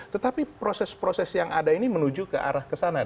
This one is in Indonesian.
tetapi proses proses yang ada ini menuju ke arah kesana